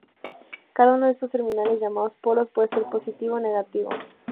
Cada uno de estos terminales llamados polos, puede ser positivo o negativo.